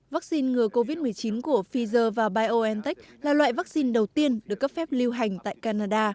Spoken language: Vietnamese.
vắc xin ngừa covid một mươi chín của pfizer và biontech là loại vắc xin đầu tiên được cấp phép lưu hành tại canada